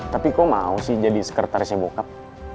tapi kok mau sih jadi sekretarisnya bokap